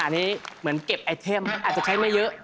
อันนี้เหมือนเก็บไอเทมอาจจะใช้ไม่เยอะ